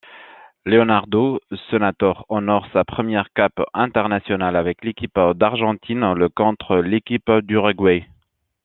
Leonardo Senatore honore sa première cape internationale avec l'équipe d'Argentine le contre l'équipe d'Uruguay.